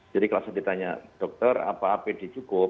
jadi kalau saya ditanya dokter apa apd cukup